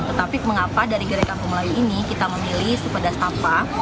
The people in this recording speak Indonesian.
tetapi mengapa dari gereka pemulai ini kita memilih si pedas tepah